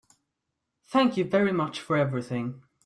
Thank you very much for everything.